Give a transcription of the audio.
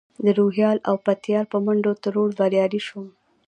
د روهیال او پتیال په منډو ترړو بریالی شوم.